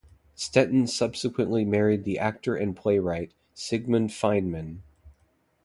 Stettin subsequently married the actor and playwright Sigmund Feinmann.